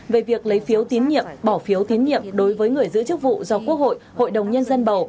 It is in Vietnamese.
về việc lấy phiếu tín nhiệm bỏ phiếu tín nhiệm đối với người giữ chức vụ do quốc hội hội đồng nhân dân bầu